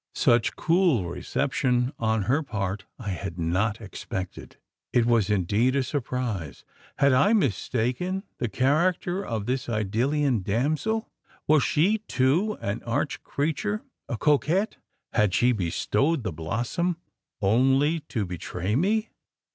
Such cool reception, on her part, I had not expected. It was indeed a surprise. Had I mistaken the character of this Idyllian damsel? Was she, too, an arch creature a coquette? Had she bestowed the blossom only to betray me?